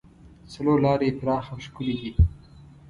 څلور لارې یې پراخه او ښکلې دي.